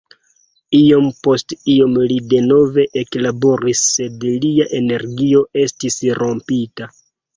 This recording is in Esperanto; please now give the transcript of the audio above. Iom post iom li denove eklaboris sed lia energio estis rompita.